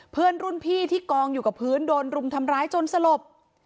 เพื่อนรุ่นพี่ที่กองอยู่กับพื้นโดนรุมทำร้ายจนสลบ